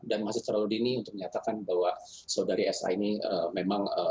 dan masih terlalu dini untuk menyatakan bahwa saudari aisyah ini memang tersebut